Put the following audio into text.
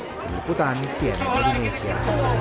penyeliputan siena indonesia